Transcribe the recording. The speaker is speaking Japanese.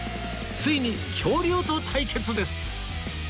ついに恐竜と対決です！